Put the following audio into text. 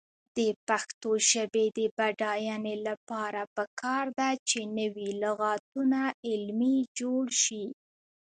د پښتو ژبې د بډاینې لپاره پکار ده چې نوي لغتونه علمي جوړ شي.